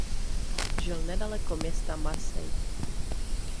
Žil nedaleko města Marseille.